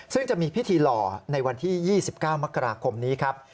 ซึ่งจะมีพิธีหล่อในวันที่๒๙มกราคมนี้ครับ